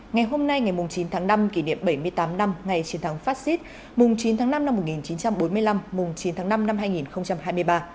ngày hôm nay ngày chín tháng năm kỷ niệm bảy mươi tám năm ngày chiến thắng fascist mùng chín tháng năm năm một nghìn chín trăm bốn mươi năm mùng chín tháng năm năm hai nghìn hai mươi ba